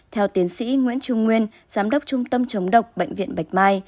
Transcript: theo tiến sĩ nguyễn trung nguyên giám đốc trung tâm chống độc bệnh viện bạch mai